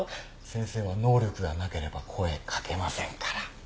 先生は能力がなければ声掛けませんから。